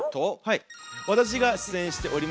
私が出演しております